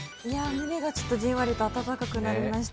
胸がじんわりと温かくなりました。